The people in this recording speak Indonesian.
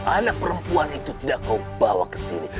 anak perempuan itu tidak kau bawa ke sini